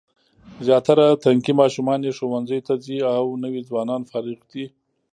زیاتره تنکي ماشومان یې ښوونځیو ته ځي او نوي ځوانان فارغ دي.